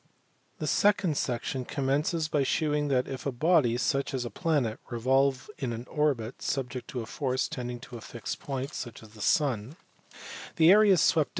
The second section commences by shewing that, if a body (such as a planet) revolve in an orbit subject to a force tending to a fixed point (such as the sun), the areas swept^o.